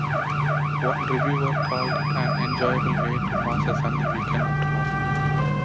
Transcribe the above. One reviewer called it an enjoyable way to pass a sunny weekend afternoon.